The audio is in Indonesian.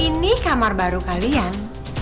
ini kamar baru kalian